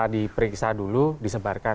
diperiksa dulu disebarkan